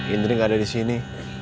indri gak ada di sini